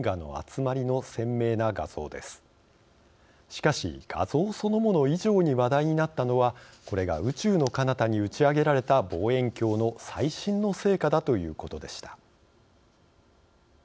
しかし画像そのもの以上に話題になったのはこれが宇宙のかなたに打ち上げられた望遠鏡の最新の成果だということでした。